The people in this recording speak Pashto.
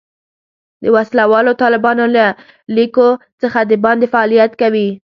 د وسله والو طالبانو له لیکو څخه د باندې فعالیت کوي.